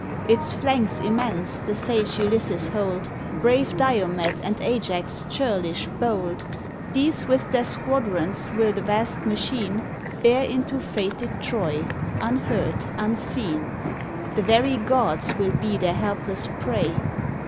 Its flanks immense the sage Ulysses hold, Brave Diomed, and Ajax, churlish, bold; These, with their squadrons, will the vast machine Bear into fated Troy, unheard, unseen The very gods will be their helpless prey.